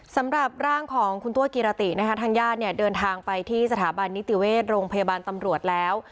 สำหรับร่างของคุณตัวกิรตินะคะทางญาติเนี่ยเดินทางไปที่สถาบันนิติเวชโรงพยาบาลตำรวจแล้ว